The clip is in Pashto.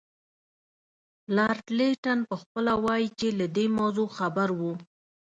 لارډ لیټن پخپله وایي چې له دې موضوع خبر وو.